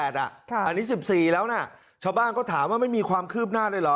อันนี้๑๔แล้วนะชาวบ้านก็ถามว่าไม่มีความคืบหน้าเลยเหรอ